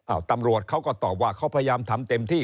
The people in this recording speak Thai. ตำรวจเขาก็ตอบว่าเขาพยายามทำเต็มที่